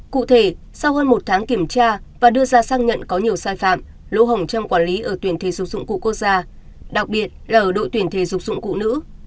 cụ thể sau hơn một tháng kiểm tra và đưa ra xác nhận có nhiều sai phạm lỗ hồng trong quản lý ở tuyển thi số dụng cụ quốc gia đặc biệt là ở đội tuyển thể dục dụng cụ nữ